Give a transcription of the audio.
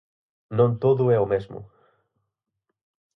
Non todo é o mesmo.